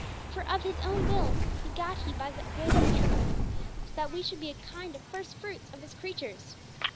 For of His own will begat He us by the word of truth, that we should be a kind of first fruits of His creatures.